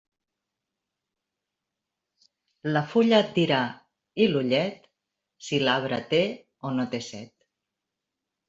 La fulla et dirà, i l'ullet, si l'arbre té o no té set.